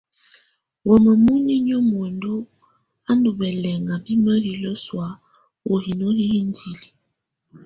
Wamɛ̀á muninƴǝ́ muǝndù á ndù bɛlɛŋà bɛ mǝhilǝ sɔ̀á ù hino hi indili.